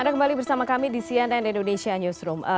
anda kembali bersama kami di cnn indonesia newsroom